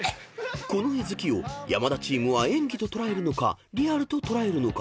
［このえずきを山田チームは演技と捉えるのかリアルと捉えるのか］